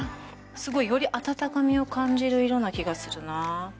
すごいより温かみを感じる色な気がするな。